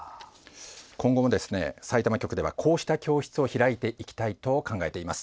今後も、さいたま局ではこうした教室を開いていきたいと考えています。